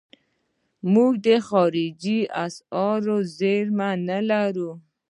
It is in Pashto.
موږ د خارجي اسعارو زیرمې نه لرو.